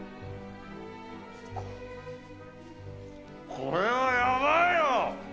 これはやばいよ。